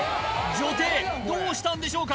女帝どうしたんでしょうか？